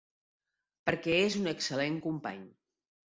Per què és un excel·lent company